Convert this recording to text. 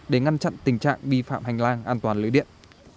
để ngăn chặn tình trạng vi phạm hành lang an toàn lưới điện